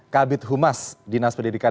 kabit humas dinas pendidikan